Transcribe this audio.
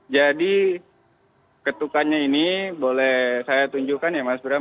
jadi ketukannya ini boleh saya tunjukkan ya mas bram